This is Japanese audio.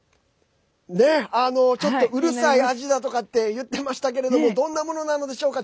ちょっと、うるさい味だって言ってましたけどどんなものなのでしょうか。